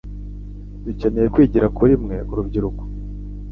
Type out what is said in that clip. Dukeneye kwigira kuri mwe urubyiruko